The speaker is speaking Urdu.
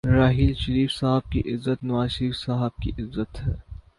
راحیل شریف صاحب کی عزت نوازشریف صاحب کی عزت ہے۔